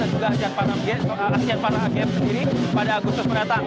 dan juga asean panah agm sendiri pada agustus beratang